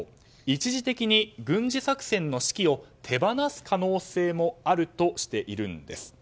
一時的に軍事作戦の指揮を手放す可能性もあるとしているんです。